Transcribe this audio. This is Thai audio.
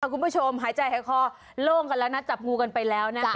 คุณผู้ชมหายใจหายคอโล่งกันแล้วนะจับงูกันไปแล้วนะจ๊